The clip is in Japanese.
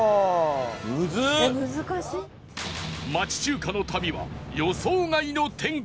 町中華の旅は予想外の展開へ